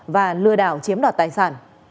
và lừa đảo chiếm đoạt tài sản